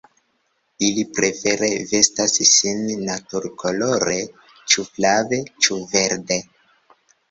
Ili prefere vestas sin natur-kolore, ĉu flave, ĉu verde.